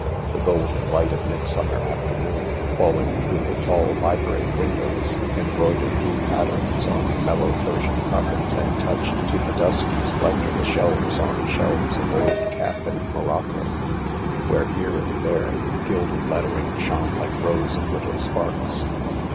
The golden light of midsummer afternoon falling through the tall library windows embroidered new patterns on the mellow Persian carpets, and touched to a dusky splendour the shelves on shelves of old calf and morocco, where here and there gilded lettering shone like rows of little sparks.